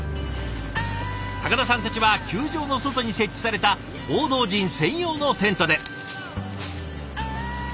高田さんたちは球場の外に設置された報道陣専用のテントで。